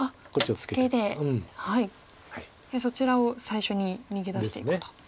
やはりそちらを最初に逃げ出していこうと。